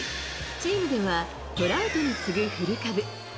チームではトラウトに次ぐベテラン。